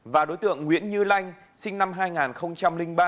và đối tượng nguyễn như lanh sinh năm hai nghìn ba